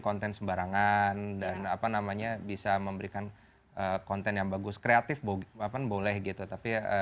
konten sembarangan dan apa namanya bisa memberikan konten yang bagus kreatif boleh gitu tapi